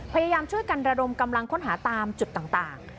พยายามช่วยกันระดมกำลังค้นหาตามจุดต่าง